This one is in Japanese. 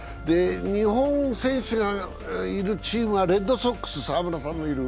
日本選手がいるチームはレッドソックス、澤村さんのいる。